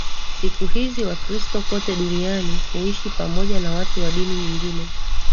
Siku hizi Wakristo kote duniani huishi pamoja na watu wa dini nyingine